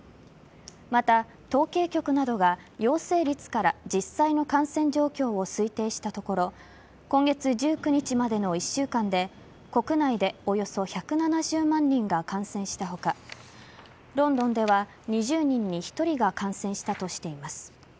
また、統計局などが陽性率から実際の感染状況を推定したところ今月１９日までの１週間で国内でおよそ１７０万人が感染した他ロンドンでは２０人に１人が感染したとしています。